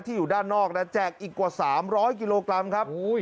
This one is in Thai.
อยู่ด้านนอกนะแจกอีกกว่า๓๐๐กิโลกรัมครับ